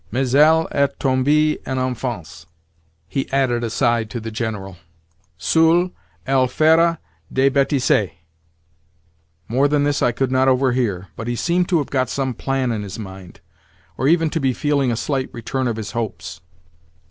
"Mais elle est tombée en enfance," he added aside to the General. "Seule, elle fera des bêtises." More than this I could not overhear, but he seemed to have got some plan in his mind, or even to be feeling a slight return of his hopes.